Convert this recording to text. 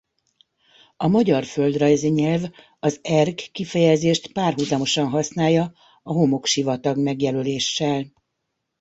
A magyar földrajzi nyelv az erg kifejezést párhuzamosan használja a homoksivatag megjelöléssel.